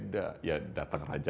ya datang rajanya kan datang penguatnya